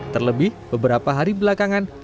terlebih beberapa hari belakangan